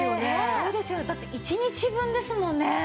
そうですよだって１日分ですもんね。